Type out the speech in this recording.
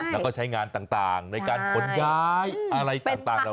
แล้วก็ใช้งานต่างในการขนย้ายอะไรต่างเหล่า